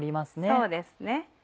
そうですね。